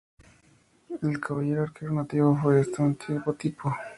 El caballero arquero nativo fue de este último tipo.